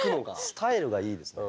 スタイルがいいですね。